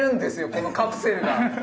このカプセルが！